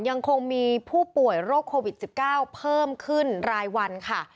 ยังคงมีผู้ป่วยโรคโควิด๑๙เพิ่มขึ้นรายวันค่ะ